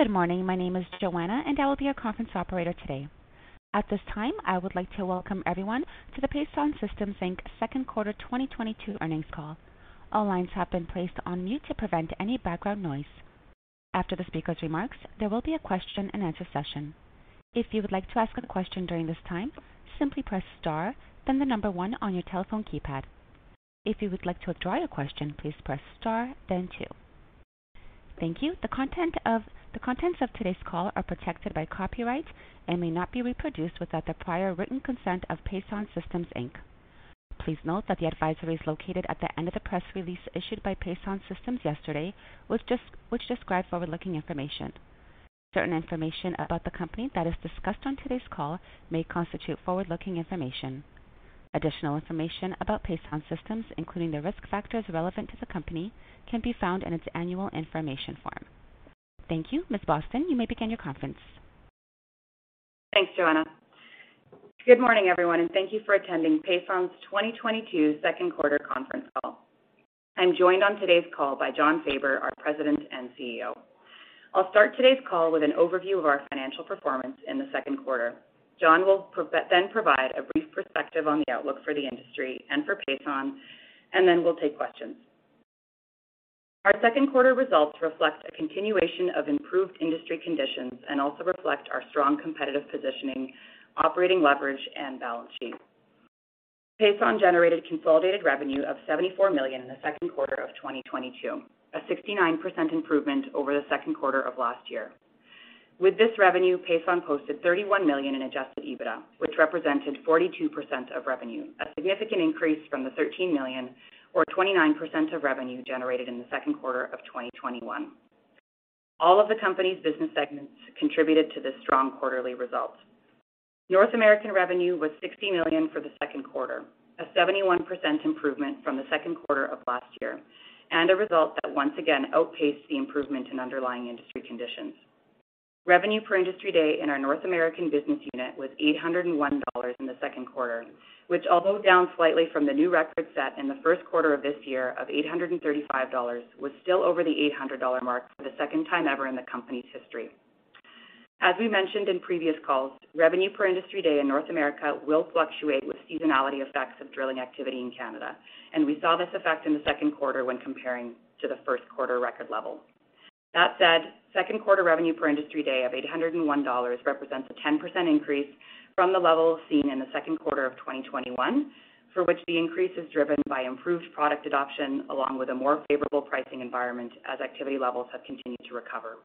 Good morning. My name is Joanna, and I will be your conference operator today. At this time, I would like to welcome everyone to the Pason Systems Inc. Second Quarter 2022 earnings call. All lines have been placed on mute to prevent any background noise. After the speaker's remarks, there will be a question-and-answer session. If you would like to ask a question during this time, simply press star, then the number one on your telephone keypad. If you would like to withdraw your question, please press star, then two. Thank you. The contents of today's call are protected by copyright and may not be reproduced without the prior written consent of Pason Systems Inc. Please note that the advisory is located at the end of the press release issued by Pason Systems yesterday, which described forward-looking information. Certain information about the company that is discussed on today's call may constitute forward-looking information. Additional information about Pason Systems, including the risk factors relevant to the company, can be found in its annual information form. Thank you. Ms. Boston, you may begin your conference. Thanks, Joanna. Good morning, everyone, and thank you for attending Pason's 2022 second-quarter conference call. I'm joined on today's call by Jon Faber, our President and CEO. I'll start today's call with an overview of our financial performance in the second quarter. Jon will then provide a brief perspective on the outlook for the industry and for Pason, and then we'll take questions. Our second quarter results reflect a continuation of improved industry conditions and also reflect our strong competitive positioning, operating leverage, and balance sheet. Pason generated consolidated revenue of 74 million in the second quarter of 2022, a 69% improvement over the second quarter of last year. With this revenue, Pason posted 31 million in adjusted EBITDA, which represented 42% of revenue, a significant increase from the 13 million or 29% of revenue generated in the second quarter of 2021. All of the company's business segments contributed to this strong quarterly result. North American revenue was 60 million for the second quarter, a 71% improvement from the second quarter of last year, and a result that once again outpaced the improvement in underlying industry conditions. Revenue per Industry Day in our North American business unit was 801 dollars in the second quarter, which, although down slightly from the new record set in the first quarter of this year of 835 dollars, was still over the 800 dollar mark for the second time ever in the company's history. As we mentioned in previous calls, Revenue per Industry Day in North America will fluctuate with seasonality effects of drilling activity in Canada, and we saw this effect in the second quarter when comparing to the first quarter record level. That said, second quarter Revenue per Industry Day of $801 represents a 10% increase from the level seen in the second quarter of 2021, for which the increase is driven by improved product adoption along with a more favorable pricing environment as activity levels have continued to recover.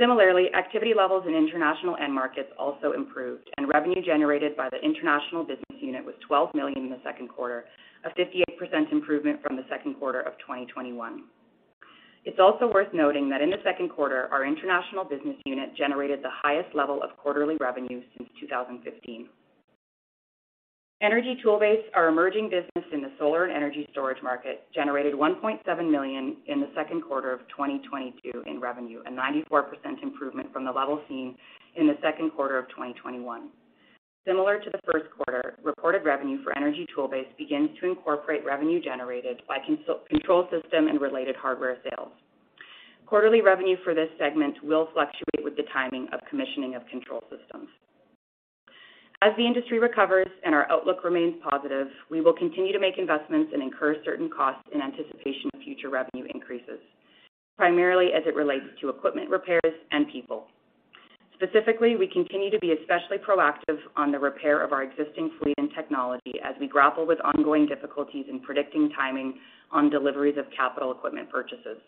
Similarly, activity levels in international end markets also improved, and revenue generated by the international business unit was 12 million in the second quarter, a 58% improvement from the second quarter of 2021. It's also worth noting that in the second quarter, our international business unit generated the highest level of quarterly revenue since 2015. Energy Toolbase, our emerging business in the solar and energy storage market, generated 1.7 million in the second quarter of 2022 in revenue, a 94% improvement from the level seen in the second quarter of 2021. Similar to the first quarter, reported revenue for Energy Toolbase begins to incorporate revenue generated by control system and related hardware sales. Quarterly revenue for this segment will fluctuate with the timing of commissioning of control systems. As the industry recovers and our outlook remains positive, we will continue to make investments and incur certain costs in anticipation of future revenue increases, primarily as it relates to equipment repairs and people. Specifically, we continue to be especially proactive on the repair of our existing fleet and technology as we grapple with ongoing difficulties in predicting timing on deliveries of capital equipment purchases.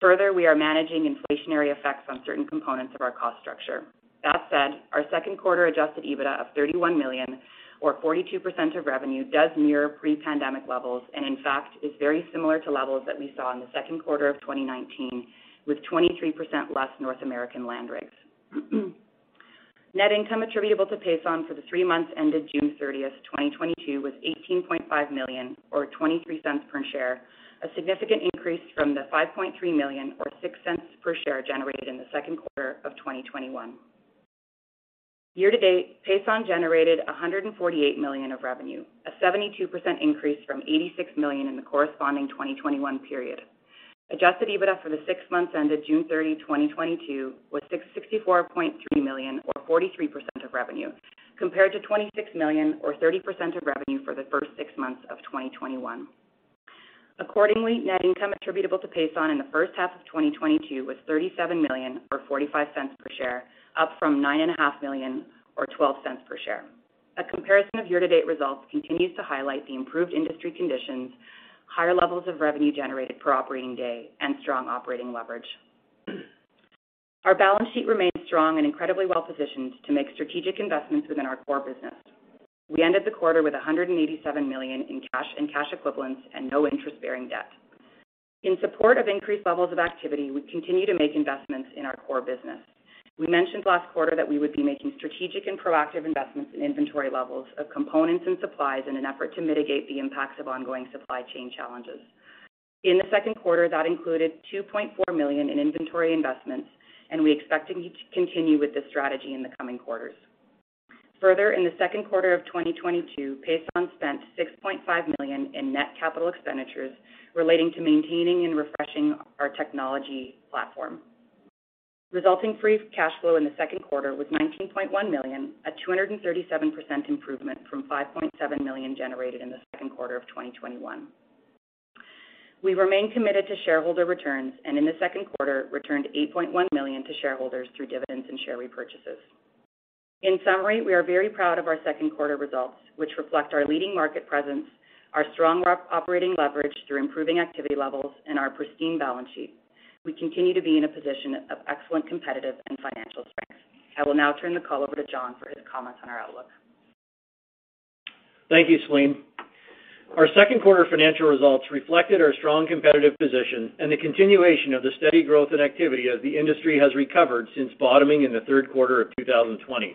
Further, we are managing inflationary effects on certain components of our cost structure. That said, our second quarter adjusted EBITDA of 31 million or 42% of revenue is near pre-pandemic levels, and in fact, is very similar to levels that we saw in the second quarter of 2019 with 23% less North American land rigs. Net income attributable to Pason for the three months ended June 30, 2022 was 18.5 million or 0.23 per share, a significant increase from the 5.3 million or 0.06 per share generated in the second quarter of 2021. Year-to-date, Pason generated 148 million of revenue, a 72% increase from 86 million in the corresponding 2021 period. Adjusted EBITDA for the six months ended June 30, 2022 was 64.3 million or 43% of revenue, compared to 26 million or 30% of revenue for the first six months of 2021. Accordingly, net income attributable to Pason in the first half of 2022 was 37 million or 0.45 per share, up from 9.5 million or 0.12 per share. A comparison of year-to-date results continues to highlight the improved industry conditions, higher levels of revenue generated per operating day, and strong operating leverage. Our balance sheet remains strong and incredibly well-positioned to make strategic investments within our core business. We ended the quarter with 187 million in cash and cash equivalents and no interest-bearing debt. In support of increased levels of activity, we continue to make investments in our core business. We mentioned last quarter that we would be making strategic and proactive investments in inventory levels of components and supplies in an effort to mitigate the impacts of ongoing supply chain challenges. In the second quarter, that included 2.4 million in inventory investments, and we expect to continue with this strategy in the coming quarters. Further, in the second quarter of 2022, Pason spent 6.5 million in net capital expenditures relating to maintaining and refreshing our technology platform. Resulting free cash flow in the second quarter was 19.1 million, a 237% improvement from 5.7 million generated in the second quarter of 2021. We remain committed to shareholder returns and in the second quarter, returned 8.1 million to shareholders through dividends and share repurchases. In summary, we are very proud of our second quarter results, which reflect our leading market presence, our strong operating leverage through improving activity levels, and our pristine balance sheet. We continue to be in a position of excellent competitive and financial strength. I will now turn the call over to Jon for his comments on our outlook. Thank you, Celine. Our second quarter financial results reflected our strong competitive position and the continuation of the steady growth and activity as the industry has recovered since bottoming in the third quarter of 2020.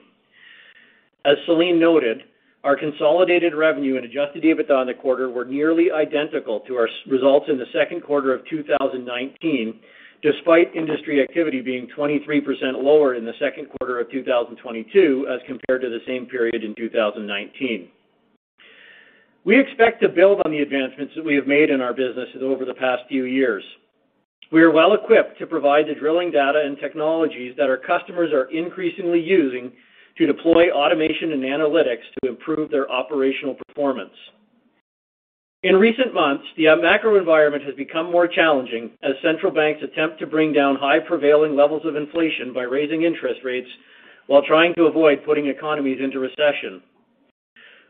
As Celine noted, our consolidated revenue and adjusted EBITDA on the quarter were nearly identical to our results in the second quarter of 2019, despite industry activity being 23% lower in the second quarter of 2022 as compared to the same period in 2019. We expect to build on the advancements that we have made in our businesses over the past few years. We are well-equipped to provide the drilling data and technologies that our customers are increasingly using to deploy automation and analytics to improve their operational performance. In recent months, the macro environment has become more challenging as central banks attempt to bring down high prevailing levels of inflation by raising interest rates while trying to avoid putting economies into recession.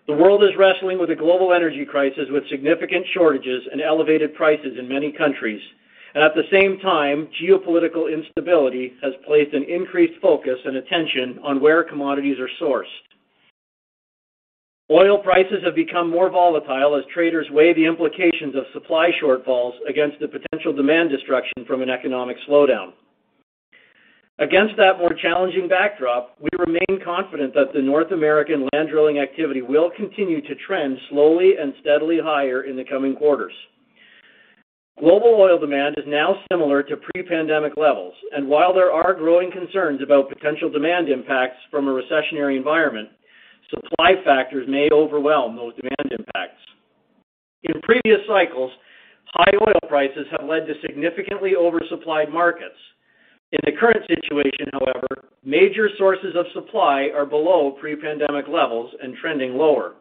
The world is wrestling with a global energy crisis with significant shortages and elevated prices in many countries. At the same time, geopolitical instability has placed an increased focus and attention on where commodities are sourced. Oil prices have become more volatile as traders weigh the implications of supply shortfalls against the potential demand destruction from an economic slowdown. Against that more challenging backdrop, we remain confident that the North American land drilling activity will continue to trend slowly and steadily higher in the coming quarters. Global oil demand is now similar to pre-pandemic levels, and while there are growing concerns about potential demand impacts from a recessionary environment, supply factors may overwhelm those demand impacts. In previous cycles, high oil prices have led to significantly oversupplied markets. In the current situation, however, major sources of supply are below pre-pandemic levels and trending lower.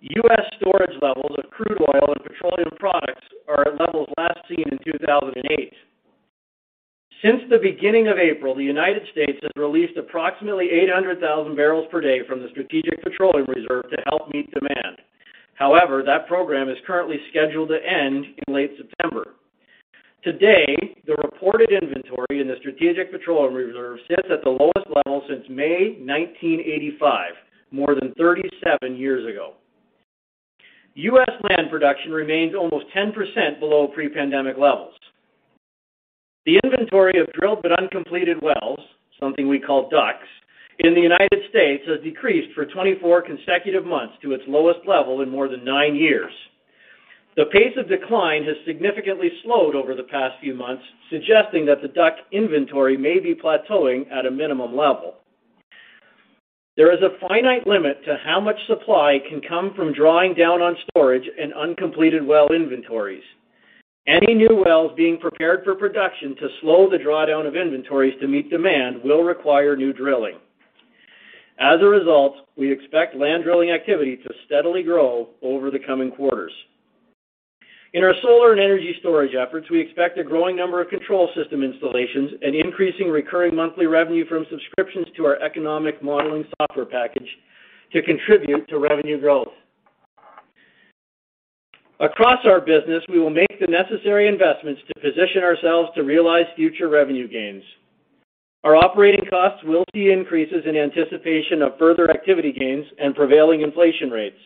U.S. storage levels of crude oil and petroleum products are at levels last seen in 2008. Since the beginning of April, the United States has released approximately 800,000 barrels per day from the Strategic Petroleum Reserve to help meet demand. However, that program is currently scheduled to end in late September. Today, the reported inventory in the Strategic Petroleum Reserve sits at the lowest level since May 1985, more than 37 years ago. U.S. land production remains almost 10% below pre-pandemic levels. The inventory of drilled but uncompleted wells, something we call DUCs, in the United States has decreased for 24 consecutive months to its lowest level in more than nine years. The pace of decline has significantly slowed over the past few months, suggesting that the DUC inventory may be plateauing at a minimum level. There is a finite limit to how much supply can come from drawing down on storage and uncompleted well inventories. Any new wells being prepared for production to slow the drawdown of inventories to meet demand will require new drilling. As a result, we expect land drilling activity to steadily grow over the coming quarters. In our solar and energy storage efforts, we expect a growing number of control system installations and increasing recurring monthly revenue from subscriptions to our economic modeling software package to contribute to revenue growth. Across our business, we will make the necessary investments to position ourselves to realize future revenue gains. Our operating costs will see increases in anticipation of further activity gains and prevailing inflation rates.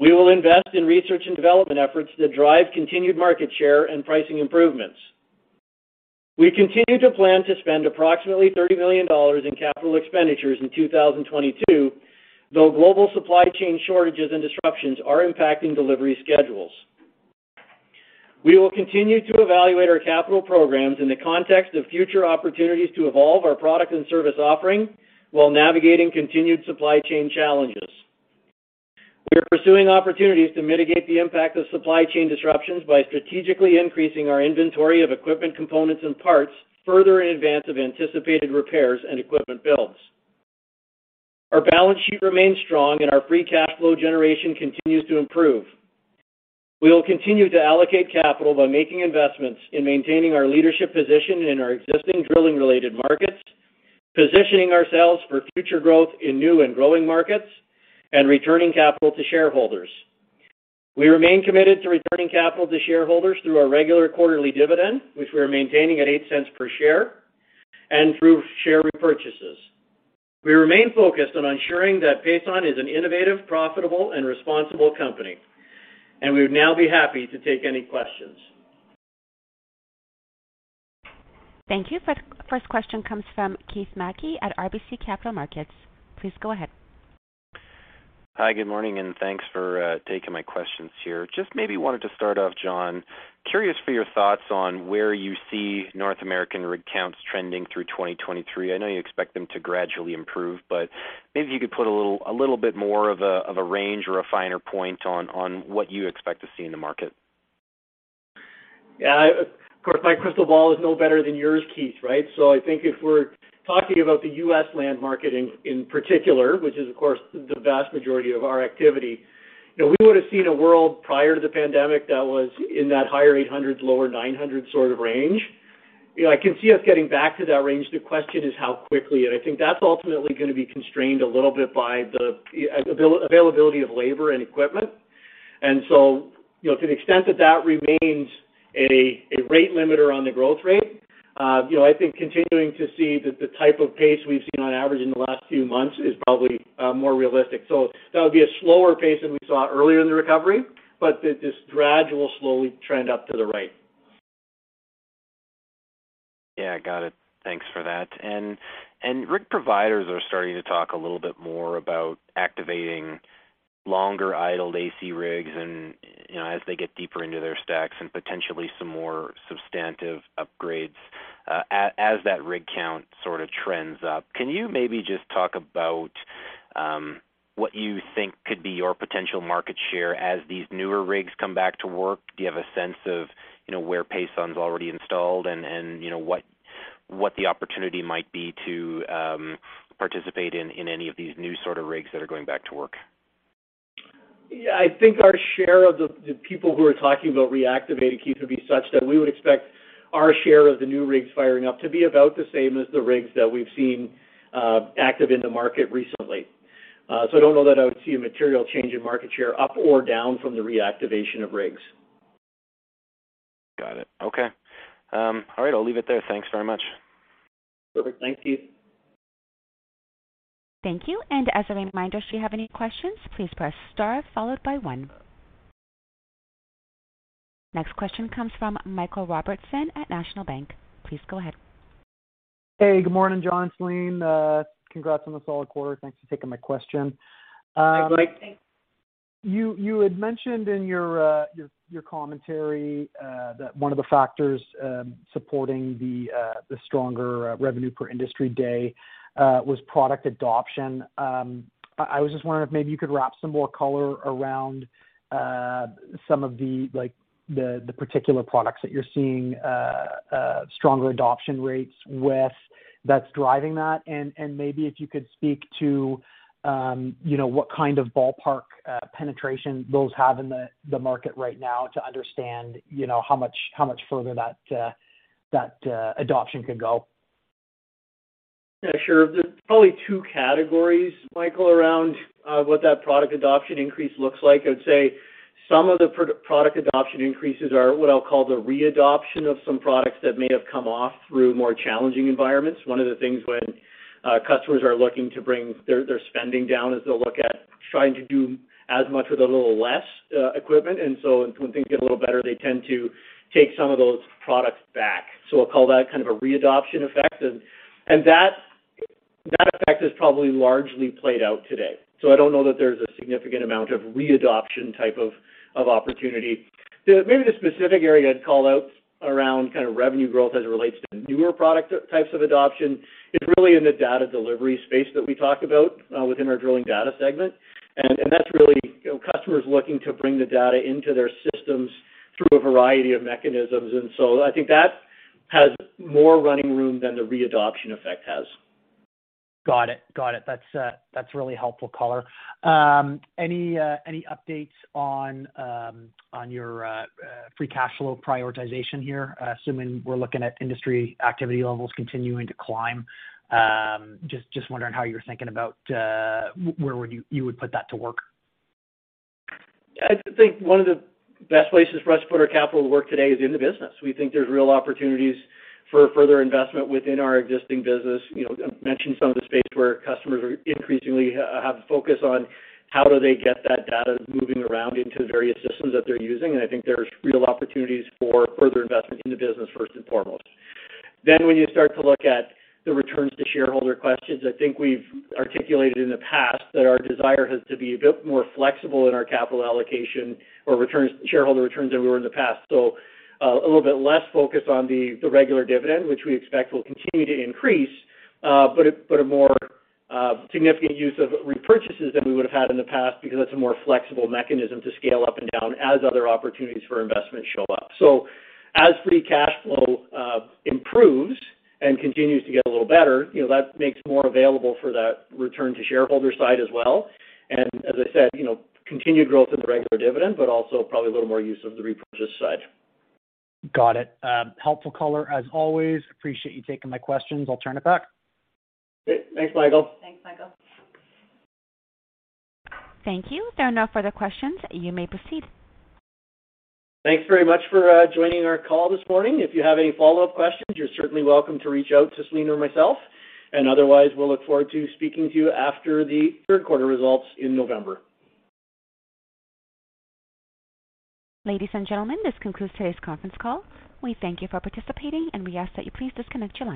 We will invest in research and development efforts that drive continued market share and pricing improvements. We continue to plan to spend approximately 30 million dollars in capital expenditures in 2022, though global supply chain shortages and disruptions are impacting delivery schedules. We will continue to evaluate our capital programs in the context of future opportunities to evolve our product and service offering while navigating continued supply chain challenges. We are pursuing opportunities to mitigate the impact of supply chain disruptions by strategically increasing our inventory of equipment components and parts further in advance of anticipated repairs and equipment builds. Our balance sheet remains strong, and our free cash flow generation continues to improve. We will continue to allocate capital by making investments in maintaining our leadership position in our existing drilling-related markets, positioning ourselves for future growth in new and growing markets, and returning capital to shareholders. We remain committed to returning capital to shareholders through our regular quarterly dividend, which we are maintaining at 0.08 per share, and through share repurchases. We remain focused on ensuring that Pason is an innovative, profitable, and responsible company, and we would now be happy to take any questions. Thank you. First question comes from Keith Mackey at RBC Capital Markets. Please go ahead. Hi, good morning, and thanks for taking my questions here. Just maybe wanted to start off, Jon, curious for your thoughts on where you see North American rig counts trending through 2023. I know you expect them to gradually improve, but maybe if you could put a little bit more of a range or a finer point on what you expect to see in the market. Yeah. Of course, my crystal ball is no better than yours, Keith, right? I think if we're talking about the U.S. land market in particular, which is of course the vast majority of our activity, you know, we would have seen a world prior to the pandemic that was in that higher 800s, lower 900 sort of range. You know, I can see us getting back to that range. The question is how quickly, and I think that's ultimately gonna be constrained a little bit by the availability of labor and equipment. You know, to the extent that that remains a rate limiter on the growth rate, I think continuing to see the type of pace we've seen on average in the last few months is probably more realistic. That would be a slower pace than we saw earlier in the recovery, but this gradual slow trend up to the right. Yeah, got it. Thanks for that. Rig providers are starting to talk a little bit more about activating longer idled AC rigs and, you know, as they get deeper into their stacks, and potentially some more substantive upgrades, as that rig count sort of trends up. Can you maybe just talk about what you think could be your potential market share as these newer rigs come back to work? Do you have a sense of, you know, where Pason's already installed and, you know, what the opportunity might be to participate in any of these new sort of rigs that are going back to work? Yeah. I think our share of the people who are talking about reactivating, Keith, would be such that we would expect our share of the new rigs firing up to be about the same as the rigs that we've seen active in the market recently. I don't know that I would see a material change in market share up or down from the reactivation of rigs. Got it. Okay. All right, I'll leave it there. Thanks very much. Perfect. Thanks, Keith. Thank you. As a reminder, if you have any questions, please press star followed by one. Next question comes from Michael Robertson at National Bank. Please go ahead. Hey, good morning, Jon, Celine. Congrats on the solid quarter. Thanks for taking my question. Hi, Mike. You had mentioned in your commentary that one of the factors supporting the stronger Revenue per Industry Day was product adoption. I was just wondering if maybe you could wrap some more color around some of the, like, the particular products that you're seeing stronger adoption rates with that's driving that. Maybe if you could speak to you know what kind of ballpark penetration those have in the market right now to understand you know how much further that adoption could go. Yeah, sure. There's probably two categories, Michael, around what that product adoption increase looks like. I would say some of the product adoption increases are what I'll call the re-adoption of some products that may have come off through more challenging environments. One of the things when customers are looking to bring their spending down is they'll look at trying to do as much with a little less equipment. When things get a little better, they tend to take some of those products back. We'll call that kind of a re-adoption effect. That effect is probably largely played out today. I don't know that there's a significant amount of re-adoption type of opportunity. Maybe the specific area I'd call out around kind of revenue growth as it relates to newer product types of adoption is really in the data delivery space that we talked about within our drilling data segment. That's really, you know, customers looking to bring the data into their systems through a variety of mechanisms. I think that has more running room than the re-adoption effect has. Got it. That's really helpful color. Any updates on your free cash flow prioritization here? Assuming we're looking at industry activity levels continuing to climb, just wondering how you're thinking about where you would put that to work. I think one of the best places for us to put our capital to work today is in the business. We think there's real opportunities for further investment within our existing business. You know, I mentioned some of the space where customers are increasingly have focus on how do they get that data moving around into the various systems that they're using, and I think there's real opportunities for further investment in the business, first and foremost. When you start to look at the returns to shareholder questions, I think we've articulated in the past that our desire has to be a bit more flexible in our capital allocation or returns, shareholder returns than we were in the past. A little bit less focus on the regular dividend, which we expect will continue to increase, but a more significant use of repurchases than we would have had in the past because that's a more flexible mechanism to scale up and down as other opportunities for investment show up. As free cash flow improves and continues to get a little better, you know, that makes more available for that return to shareholder side as well. As I said, you know, continued growth in the regular dividend, but also probably a little more use of the repurchase side. Got it. Helpful color as always. Appreciate you taking my questions. I'll turn it back. Great. Thanks, Michael. Thanks, Michael. Thank you. There are no further questions. You may proceed. Thanks very much for joining our call this morning. If you have any follow-up questions, you're certainly welcome to reach out to Celine or myself. Otherwise, we'll look forward to speaking to you after the third quarter results in November. Ladies and gentlemen, this concludes today's conference call. We thank you for participating, and we ask that you please disconnect your line.